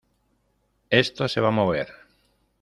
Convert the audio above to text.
esto se va a mover.